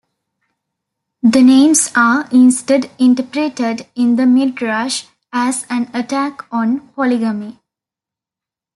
The names are instead interpreted in the Midrash as an attack on polygamy.